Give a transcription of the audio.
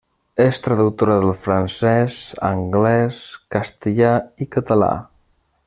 És traductora del francès, anglès, castellà i català.